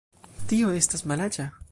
Tio estas malaĉa!